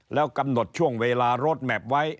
แล้วกำหนดช่วงเวลารถแมพไว้